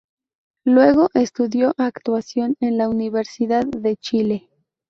Luego estudió actuación en la Universidad de Chile.